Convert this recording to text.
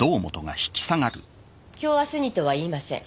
今日明日にとは言いません